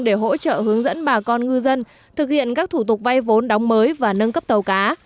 để hỗ trợ hướng dẫn bà con ngư dân thực hiện các thủ tục vay vốn đóng mới và nâng cấp tàu cá